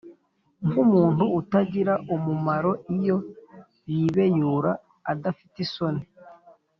nk’umuntu utagira umumaro, iyo yibeyura adafite isoni!